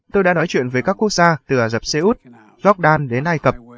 tôi đã nói chuyện với các quốc gia từ ả rập xê út góc đan đến ai cập